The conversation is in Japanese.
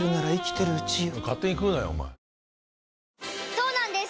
そうなんです